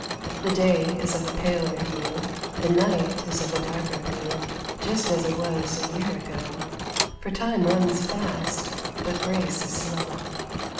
The day is of a paler hue, The night is of a darker blue, Just as it was a year ago; For time runs fast, but grace is slow!